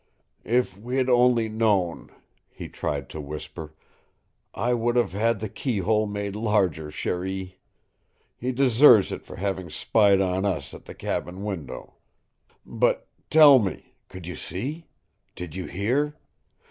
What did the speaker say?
"If we'd only known," he tried to whisper, "I would have had the keyhole made larger, Cherie! He deserves it for having spied on us at the cabin window. But tell me! Could you see? Did you hear?